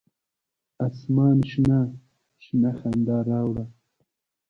اسمان شنه، شنه خندا راوړه